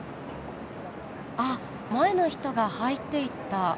あっ前の人が入っていった。